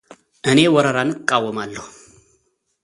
እኔ ወረራን እቃወማለሁ።